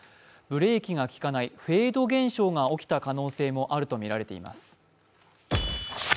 ブレーキが利かないフェード現象が起きた可能性もあるとみられています。